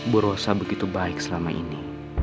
bu rosa begitu baik selama ini